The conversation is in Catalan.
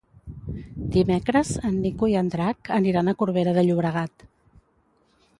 Dimecres en Nico i en Drac aniran a Corbera de Llobregat.